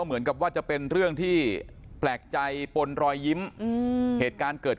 เหมือนกับว่าจะเป็นเรื่องที่แปลกใจปนรอยยิ้มเหตุการณ์เกิด